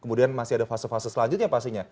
kemudian masih ada fase fase selanjutnya pastinya